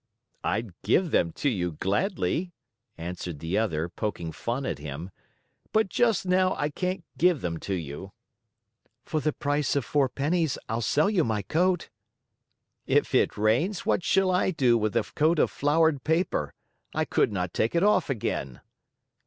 "I'd give them to you gladly," answered the other, poking fun at him, "but just now I can't give them to you." "For the price of four pennies, I'll sell you my coat." "If it rains, what shall I do with a coat of flowered paper? I could not take it off again."